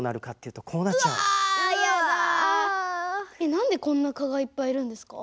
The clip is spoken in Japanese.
何でこんな蚊がいっぱいいるんですか？